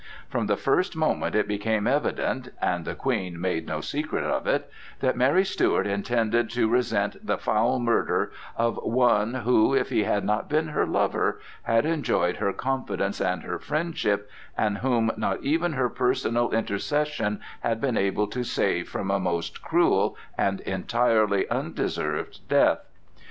From the very first moment it became evident—and the Queen made no secret of it—that Mary Stuart intended to resent the foul murder of one who, if he had not been her lover, had enjoyed her confidence and her friendship, and whom not even her personal intercession had been able to save from a most cruel and entirely undeserved death.